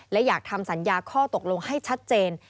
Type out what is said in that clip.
และอยากทำสัญญาข้อตกลงให้ชัดเจน